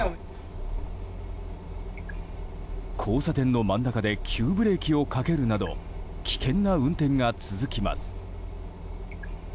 交差点の真ん中で急ブレーキをかけるなど危険な運転が続きます。